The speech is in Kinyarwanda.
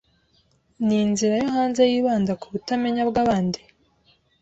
Ninzira yo hanze yibanda kubutamenya bwabandi?